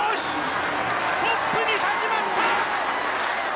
トップに立ちました！